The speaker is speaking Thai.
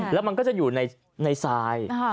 แล้วมันก็จะอยู่ในทราย